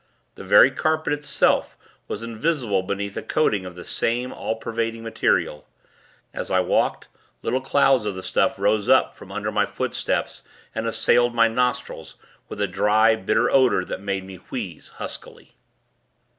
The very carpet, itself, was invisible beneath a coating of the same, all pervading, material. As I walked, little clouds of the stuff rose up from under my footsteps, and assailed my nostrils, with a dry, bitter odor that made me wheeze, huskily.